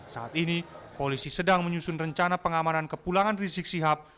saat ini polisi sedang menyusun rencana pengamanan kepulangan rizik sihab